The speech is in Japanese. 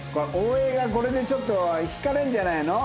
大江がこれでちょっと引かれるんじゃないの？